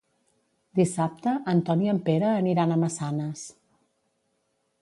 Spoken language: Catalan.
Dissabte en Ton i en Pere aniran a Massanes.